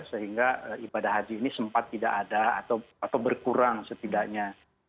sehingga ibadah haji ini sempat tidak ada atau berkurang setidaknya